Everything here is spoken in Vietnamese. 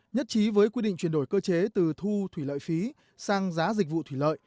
nhất trí với quy định chuyển đổi cơ chế từ thu thủy lợi phí sang giá dịch vụ thủy lợi